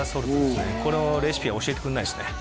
このレシピは教えてくんないですね